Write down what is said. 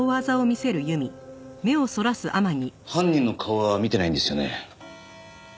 犯人の顔は見てないんですよね？